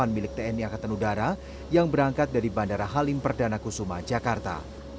milik tni angkatan udara yang berangkat dari bandara halim perdana kusuma jakarta